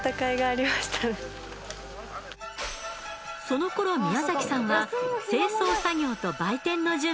そのころ宮崎さんは清掃作業と売店の準備へ。